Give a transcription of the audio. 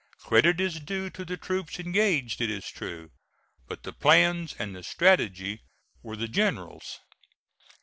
Credit is due to the troops engaged, it is true, but the plans and the strategy were the general's.